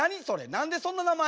何でそんな名前？